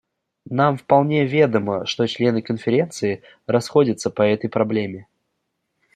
Нам вполне ведомо, что члены Конференции расходятся по этой проблеме.